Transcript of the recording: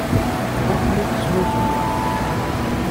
Ur ten-id-snuzuyeɣ.